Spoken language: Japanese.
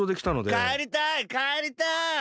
かえりたいかえりたい。